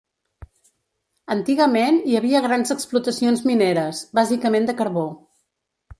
Antigament hi havia grans explotacions mineres, bàsicament de carbó.